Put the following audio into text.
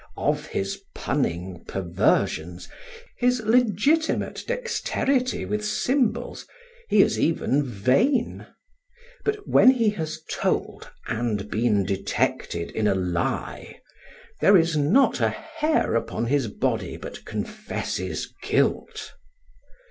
Of his punning perversions, his legitimate dexterity with symbols, he is even vain; but when he has told and been detected in a lie, there is not a hair upon his body but confesses guilt.